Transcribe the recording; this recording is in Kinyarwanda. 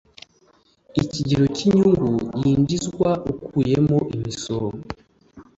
Ikigero cy’ inyungu yinjizwa ukuyemo imisoro